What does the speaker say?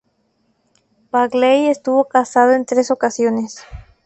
Begley estuvo casado en tres ocasiones.